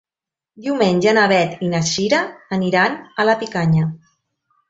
Diumenge na Beth i na Cira aniran a Picanya.